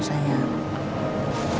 kalau nggak suka